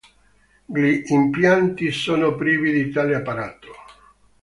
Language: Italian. Gli impianti sono privi di tale apparato.